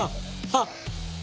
あっ。